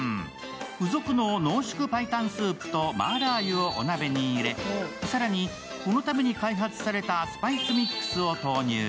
付属の濃縮パイタンスープとマーラー油をお鍋に入れ、更に、このために開発されたスパイスミックスを投入。